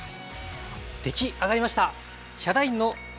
出来上がりました。